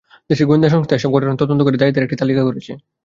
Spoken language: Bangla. দেশের গোয়েন্দা সংস্থা এসব ঘটনার তদন্ত করে দায়ীদের একটি তালিকা করেছে।